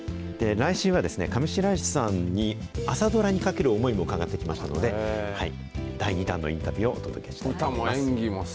来週は上白石さんに、朝ドラにかける思いを伺ってきましたので、第２弾のインタビューをお届けしたいと思います。